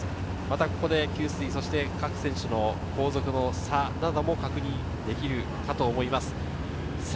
ここで給水、そして各選手の差なども確認できるかと思います。